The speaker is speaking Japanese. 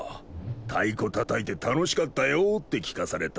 太鼓たたいて楽しかったよって聞かされた。